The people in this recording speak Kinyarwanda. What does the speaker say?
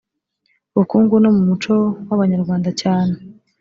bukungu no mu muco w abanyarwanda cyane